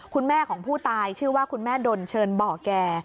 คุณแม่ของผู้ตายชื่อว่าคุณแม่ดนเชิญบ่อแก่